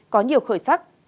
có nhiều khởi sắc